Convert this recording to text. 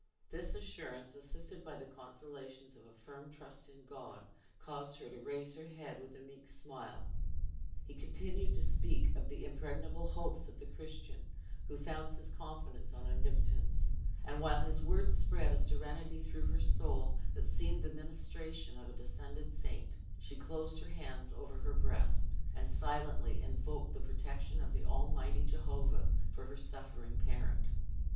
This assurance, assisted by the consolations of a firm trust in God, caused her to raise her head with a meek smile. He continued to speak of the impregnable hopes of the Christian who founds his confidence on Omnipotence; and while his words spread a serenity through her soul, that seemed the ministration of a descended saint, she closed her hands over her breast, and silently invoked the protection of the Almighty Jehovah for her suffering parent.